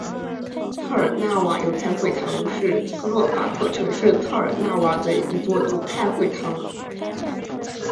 特尔纳瓦犹太会堂是斯洛伐克城市特尔纳瓦的一座犹太会堂。